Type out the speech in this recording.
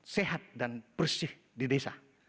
sehat dan bersih di desa